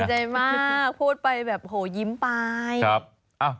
ดีใจมากพูดไปแบบโหยิ้มไป